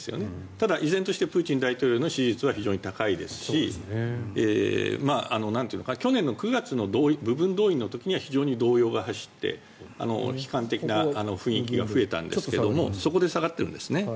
ただ依然としてプーチン大統領の支持率は非常に高いですし去年９月の部分動員の時には非常に動揺が走って悲観的な雰囲気が増えたんですがそこで下がってるんです。